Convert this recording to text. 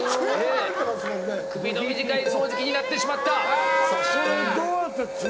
首の短い掃除機になってしまった。